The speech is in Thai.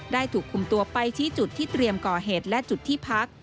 ถูกคุมตัวไปชี้จุดที่เตรียมก่อเหตุและจุดที่พัก